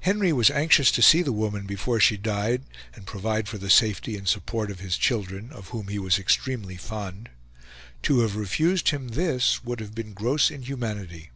Henry was anxious to see the woman before she died, and provide for the safety and support of his children, of whom he was extremely fond. To have refused him this would have been gross inhumanity.